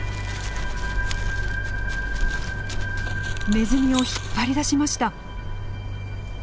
ネズミを引っ張り出しました。